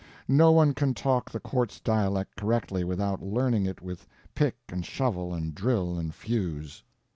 No one can talk the quartz dialect correctly without learning it with pick and shovel and drill and fuse.